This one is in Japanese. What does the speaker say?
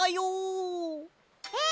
え！